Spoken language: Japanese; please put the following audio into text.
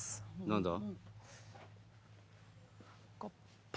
何だ！？